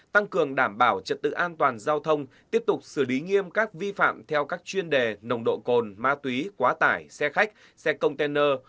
tăng cường đảm bảo trật tự an toàn giao thông tiếp tục xử lý nghiêm các vi phạm theo các chuyên đề nồng độ cồn ma túy quá tải xe khách xe container